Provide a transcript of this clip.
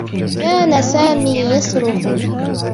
كان سامي يصرخ.